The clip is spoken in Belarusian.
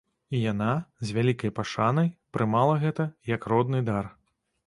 І яна, з вялікай пашанай, прымала гэта, як родны дар.